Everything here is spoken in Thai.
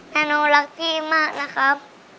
นาโนรักพี่มากนะครับ